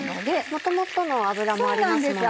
元々の脂もありますもんね。